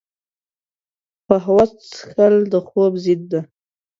قهوه څښل د خوب ضد ده